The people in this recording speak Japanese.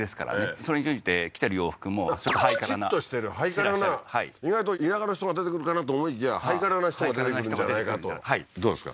それに準じて着てる洋服もちょっとハイカラなきちっとしてるハイカラな意外と田舎の人が出てくるかなと思いきやハイカラな人が出てくるんじゃないかとどうですか？